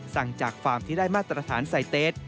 สั่งจากฟาร์มที่ได้มาตรฐานไซเตส